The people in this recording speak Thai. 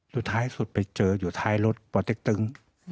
สุดท้ายสุดไปเจออยู่ท้ายรถปเต็กตึง